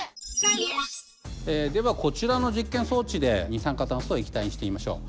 ではこちらの実験装置で二酸化炭素を液体にしてみましょう。